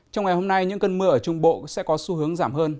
trong ngày hôm nay những cơn mưa ở trung bộ sẽ có xu hướng giảm hơn